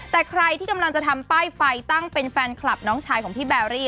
แต่ใครที่กำลังจะทำป้ายไฟตั้งเป็นแฟนคลับน้องชายของพี่แบรี่